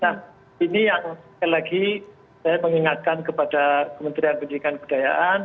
nah ini yang sekali lagi saya mengingatkan kepada kementerian pendidikan kedayaan